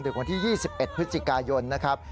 วันที่๒๑พฤศจิกายนนะครับ